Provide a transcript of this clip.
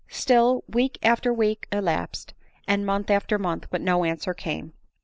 Still week after week elapsed, and month after month, but no answer came.